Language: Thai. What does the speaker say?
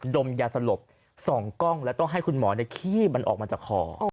ดมยาสลบ๒กล้องแล้วต้องให้คุณหมอขี้มันออกมาจากคอ